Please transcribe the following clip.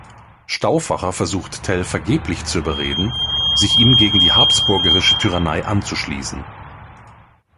Stauffacher versucht Tell vergeblich zu überreden, sich ihm gegen die habsburgische Tyrannei anzuschließen.